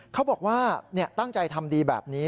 เขาบอกว่าตั้งใจทำดีแบบนี้